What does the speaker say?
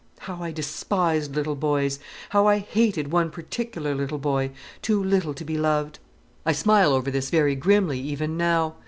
How I despised little boys! How I hated one particular little boy too little to be loved! I smile over this very grimly even now.